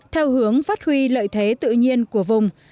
theo hướng phát huy lợi thế tự nhiên của vùng